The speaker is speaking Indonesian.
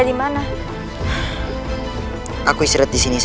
dia adalah jurumantri